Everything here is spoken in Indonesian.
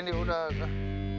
ngapain nih udah